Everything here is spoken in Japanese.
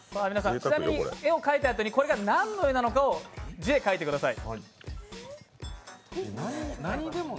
絵を描いたあとにこれが何なのかを字で書いてください。